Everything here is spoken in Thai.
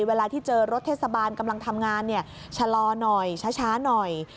เวลาที่เจอรถเทศบาลกำลังทำงานเนี่ยชะลอหน่อยช้าหน่อย